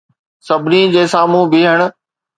سڀني جي سامهون بيهڻ